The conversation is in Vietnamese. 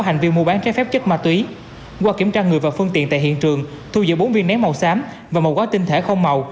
hiện tại hiện trường thu giữ bốn viên nén màu xám và một gói tinh thể không màu